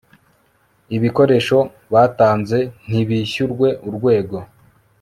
ibikoresho batanze ntibishyurwe urwego